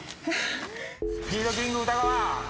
スピードキング宇田川。